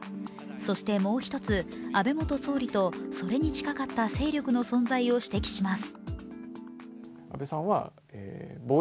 そしてもう一つ、安倍元総理とそれに近かった勢力の存在を指摘します。